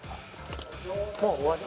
もう終わり？